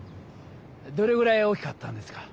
どれぐらい大きかったんですか？